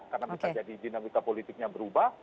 karena bisa jadi dinamika politiknya berubah